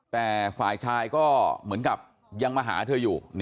แต่ฝ่ายชายก็เหมือนกับยังมาหาเธออยู่